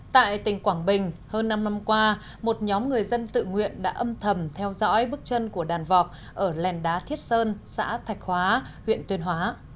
tại tỉnh quảng bình hơn năm năm qua một nhóm người dân tự nguyện đã âm thầm theo dõi bước chân của đàn vọc ở lèn đá thiết sơn xã thạch hóa huyện tuyên hóa